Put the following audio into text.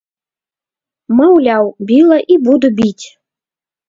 Маўляў, біла і буду біць.